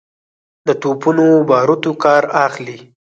د توپونو باروتو کار اخلي.